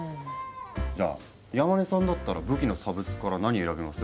じゃあ山根さんだったら武器のサブスクから何選びます？